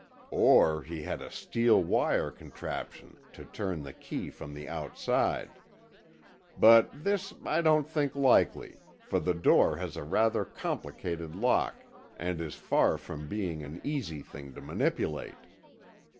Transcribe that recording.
"Or he had a steel wire contraption to turn the key from the outside. But this I don't think likely, for the door has a rather complicated lock, and is far from being an easy thing to manipulate."